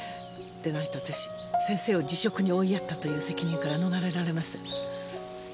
でないとあたし先生を辞職に追いやったという責任から逃れられません！